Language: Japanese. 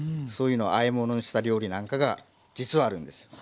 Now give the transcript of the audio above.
そういうのをあえ物にした料理なんかが実はあるんです。